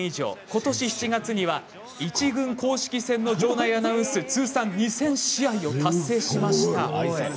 今年７月には一軍公式戦の場内アナウンス通算２０００試合を達成しました。